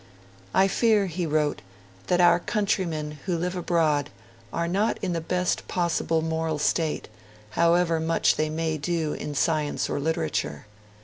'I fear,' he wrote, 'that our countrymen who live abroad are not in the best possible moral state, however much they may do in science or literature.'